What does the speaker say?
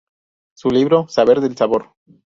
Su libro "Saber del Sabor.